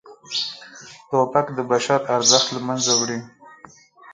توپک د بشر ارزښت له منځه وړي.